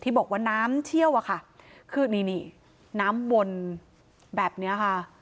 บอกว่าน้ำเชี่ยวอะค่ะคือนี่นี่น้ำวนแบบเนี้ยค่ะ